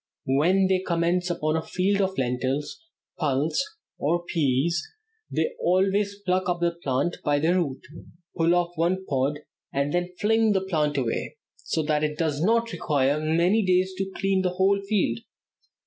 When they commence upon a field of lentils, pulse, or peas, they always pluck up the plant by the root, pull off one pod, and then fling the plant away, so that it does not require many days to clear a whole field.